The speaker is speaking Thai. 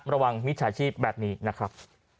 มิจฉาชีพแบบนี้นะครับ